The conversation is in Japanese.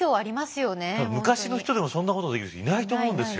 昔の人でもそんなことできる人いないと思うんですよ。